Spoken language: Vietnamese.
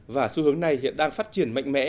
và xu hướng này hiện đang phát triển mạnh mẽ